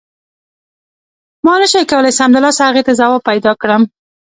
ما نه شو کولای سمدلاسه هغې ته ځواب پیدا کړم.